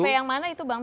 survei yang mana itu bang